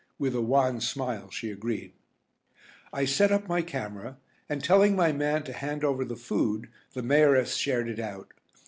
With a wan smile she agreed. I set up my camera, and telling my man to hand over the food, the Mayoress shared it out.